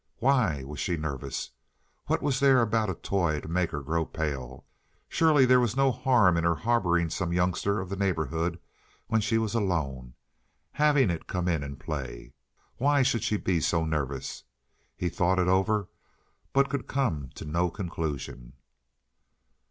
Why was she nervous? What was there about a toy to make her grow pale? Surely there was no harm in her harboring some youngster of the neighborhood when she was alone—having it come in and play. Why should she be so nervous? He thought it over, but could come to no conclusion.